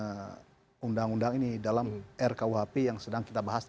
dengan undang undang ini dalam rkuhp yang sedang kita bahas